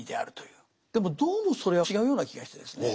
でもどうもそれは違うような気がしてですね。